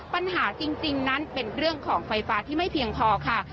ปัญหาจริงนั้นเป็นเรื่องของไฟฟ้าที่ไม่เพียงพอค่ะ